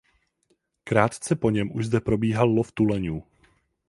Krátce po něm už zde probíhal lov tuleňů.